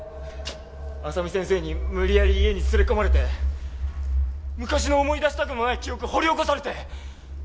浅海先生に無理やり家に連れ込まれて昔の思い出したくもない記憶掘り起こされて。